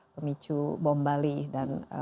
pemicu bom bali dan